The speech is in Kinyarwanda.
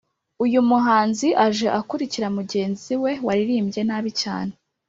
Uyu muhanzi aje akurikira mugenzi we waririmbye nabi cyane